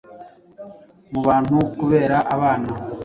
mu bantu kubera abana.